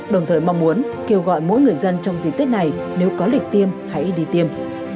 đồng thời mong muốn kêu gọi mỗi người dân trong dịp tết này nếu có lịch tiêm hãy đi tiêm